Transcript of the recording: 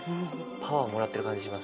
パワーをもらってる感じします。